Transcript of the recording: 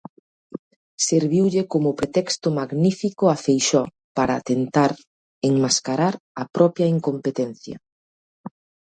Serviulle como pretexto magnífico a Feixóo par tentar enmascarar a propia incompetencia.